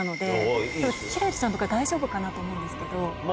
輝星ちゃんとか大丈夫かなと思うんですけど。